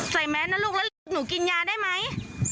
ใส่แม้ว่ะลูกลูกหนูกินยาได้ไหม